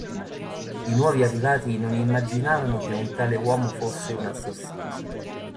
I nuovi arrivati non immaginavano che un tale uomo fosse un assassino.